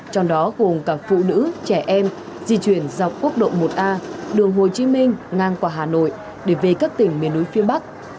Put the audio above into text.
trong đó gồm cả phụ nữ trẻ em di chuyển dọc quốc độ một a đường hồ chí minh ngang qua hà nội để về các tỉnh miền núi phía bắc